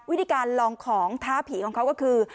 วิธีการลองของท้าผีของเขาก็คือ